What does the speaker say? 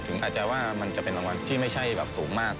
ถึงอาจจะเป็นรางวัลที่ไม่ใช่แบบสูงมาก